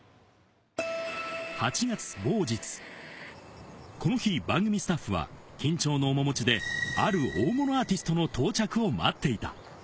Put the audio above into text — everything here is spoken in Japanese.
８月某日、この日、番組スタッフは緊張の面もちで、ある大物アーティストの到着を待っていた。